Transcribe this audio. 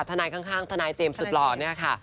ทนายข้างทนายเจมส์สุดหล่อเนี่ยค่ะ